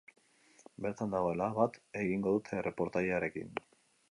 Bertan dagoela bat egingo dute erreportariarekin.